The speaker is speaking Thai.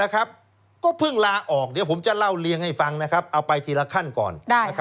ก็เพิ่งลาออกเดี๋ยวผมจะเล่าเลี้ยงให้ฟังเอาไปทีละขั้นก่อน